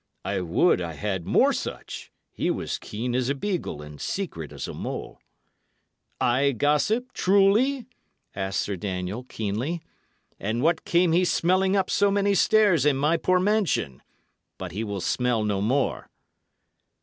"I would I had more such. He was keen as a beagle and secret as a mole." "Ay, gossip, truly?" asked Sir Daniel, keenly. "And what came he smelling up so many stairs in my poor mansion? But he will smell no more."